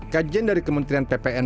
kajian dari kementerian ppn